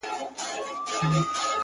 • دا ستا خبري مي د ژوند سرمايه ـ